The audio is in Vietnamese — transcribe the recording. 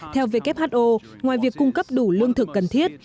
theo who ngoài việc cung cấp đủ lương thực cần thiết